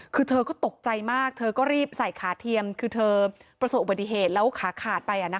คือเธอก็ตกใจมากเธอก็รีบใส่ขาเทียมคือเธอประสบอุบัติเหตุแล้วขาขาดไป